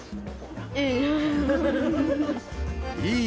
いい。